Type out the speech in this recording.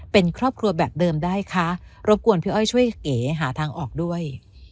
เป็นครอบครัวแบบเดิมได้คะรบกวนพี่อ้อยช่วยเก๋หาทางออกด้วย